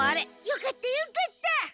よかったよかった。